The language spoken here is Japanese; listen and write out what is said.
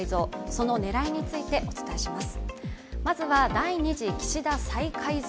その狙いについてお伝えします。